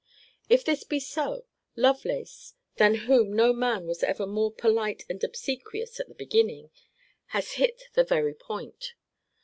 If this be so, Lovelace, than whom no man was ever more polite and obsequious at the beginning, has hit the very point.